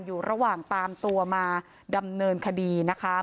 อยู่ระหว่างตามตัวมาดำเนินคดีนะคะ